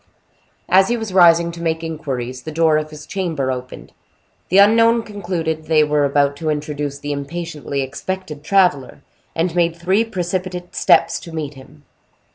As he was rising to make inquiries, the door of his chamber opened. The unknown concluded they were about to introduce the impatiently expected traveler, and made three precipitate steps to meet him.